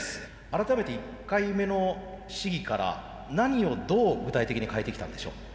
改めて１回目の試技から何をどう具体的に変えてきたんでしょう？